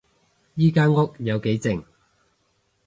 依間屋有幾靜